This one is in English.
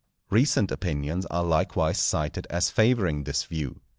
Recent opinions are likewise cited as favouring this view.